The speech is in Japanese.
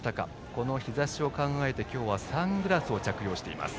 この日ざしを考えて今日はサングラスを着用しています。